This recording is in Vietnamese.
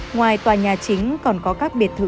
ngoài tòa nhà chính còn có các biệt thự